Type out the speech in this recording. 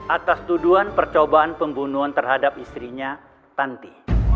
atas tuduhan percobaan pembunuhan terhadap istrinya tanti